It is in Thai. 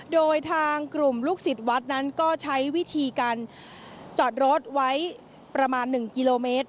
โดยทางกลุ่มลูกศิษย์วัดนั้นก็ใช้วิธีการจอดรถไว้ประมาณ๑กิโลเมตร